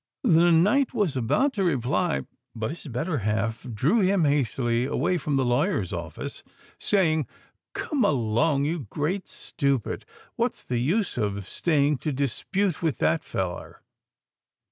The knight was about to reply; but his better half drew him hastily away from the lawyer's office, saying, "Come along, you great stupid! What's the use of staying to dispute with that feller?"